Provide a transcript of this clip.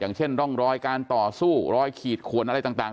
เช่นร่องรอยการต่อสู้รอยขีดขวนอะไรต่าง